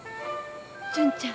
純ちゃん。